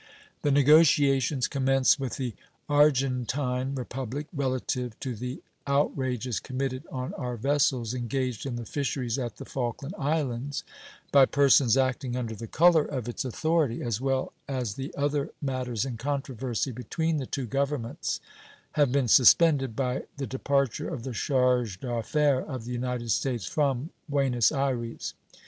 The negotiations commenced with the Argentine Republic relative to the outrages committed on our vessels engaged in the fisheries at the Falkland Islands by persons acting under the color of its authority, as well as the other matters in controversy between the two Governments, have been suspended by the departure of the charge d'affaires of the United States from Buenos Ayres.